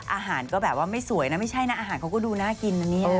อาหารก็แบบว่าไม่สวยนะไม่ใช่นะอาหารเขาก็ดูน่ากินนะเนี่ย